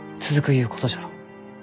ゆうことじゃろう？